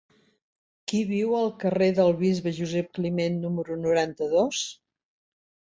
Qui viu al carrer del Bisbe Josep Climent número noranta-dos?